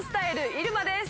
入間です。